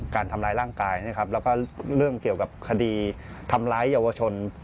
การทำร้ายร่างกายนะครับแล้วก็เรื่องเกี่ยวกับคดีทำร้ายเยาวชน